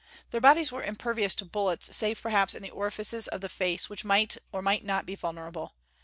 Their bodies were impervious to bullets, save perhaps in the orifices of the face which might or might not be vulnerable.